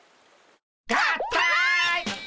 合体！